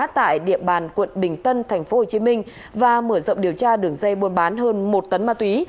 tại địa bàn quận bình tân tp hcm và mở rộng điều tra đường dây buôn bán hơn một tấn ma túy